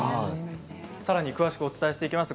さらに詳しくお伝えしてきます。